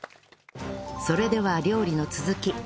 それでは料理の続き